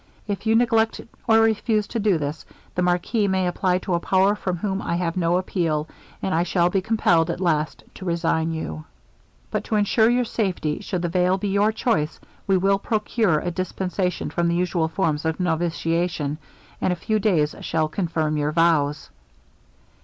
If you neglect or refuse to do this, the marquis may apply to a power from whom I have no appeal, and I shall be compelled at last to resign you. 'But to ensure your safety, should the veil be your choice, we will procure a dispensation from the usual forms of noviciation, and a few days shall confirm your vows.'